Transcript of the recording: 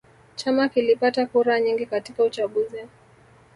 Chama kilipata kura nyingi katika uchaguzi